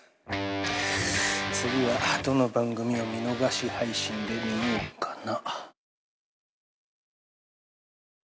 次はどの番組を見逃し配信で見ようかな。